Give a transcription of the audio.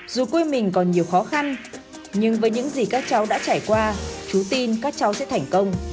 dù quê mình còn nhiều khó khăn nhưng với những gì các cháu đã trải qua chú tin các cháu sẽ thành công